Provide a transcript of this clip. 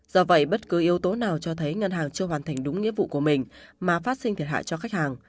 do vậy bất cứ yếu tố nào cho thấy ngân hàng chưa hoàn thành đúng nghĩa vụ của mình mà phát sinh thiệt hại cho khách hàng